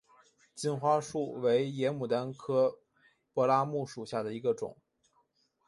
金花树为野牡丹科柏拉木属下的一个种。